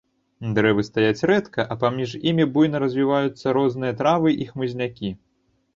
Дрэвы стаяць рэдка, а паміж імі буйна развіваюцца розныя травы і хмызнякі.